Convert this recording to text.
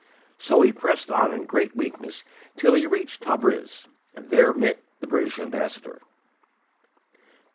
So he pressed on in great weakness till he reached Tabriz, and there met the British Ambassador.